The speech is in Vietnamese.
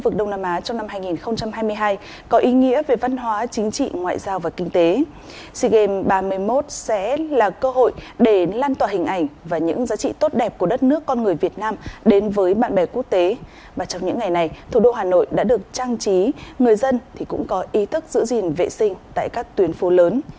trong những ngày này thủ đô hà nội đã được trang trí người dân cũng có ý thức giữ gìn vệ sinh tại các tuyến phố lớn